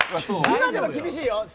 今でも厳しいよ。